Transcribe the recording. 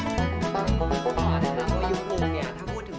อยู่พรุงเนี่ย